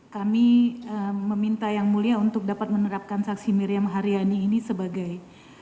kami meminta yang mulia untuk dapat menerapkan saksi miriam haryani ini sebagai